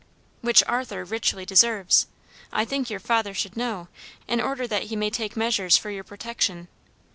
"Which Arthur richly deserves. I think your father should know, in order that he may take measures for your protection.